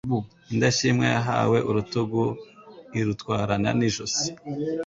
Indashimwa yahawe urutugu irutwarana n’ijosi